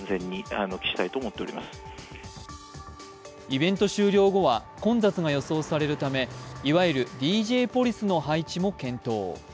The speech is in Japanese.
イベント終了後は混雑が予想されるため、いわゆるＤＪポリスの配置も検討。